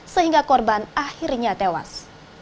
sehingga korban akhirnya tewas